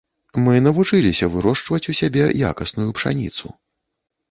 Мы навучыліся вырошчваць у сябе якасную пшаніцу.